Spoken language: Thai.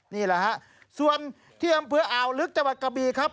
นี่แหละครับส่วนเที่ยงเผืออ่าวลึกจังหวัดกะบีครับ